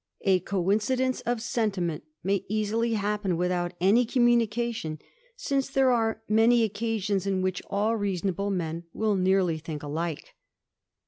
A o(^f n. cidence of sentiment may easily happen without any coin munication, since there are many occasions in which alL reasonable men will nearly think alike.